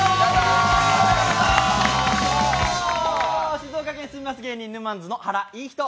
静岡県に住みます芸人ぬまんづの原いい日と。